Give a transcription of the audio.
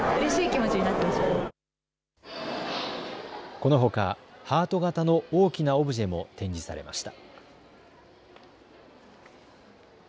このほかハート形の大きなオブジェも展示されました。